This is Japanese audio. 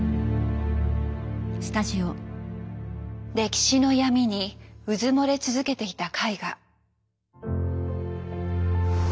歴史の闇にうずもれ続けていた絵画。